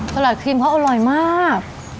ตลาดครีมเขาอร่อยมาก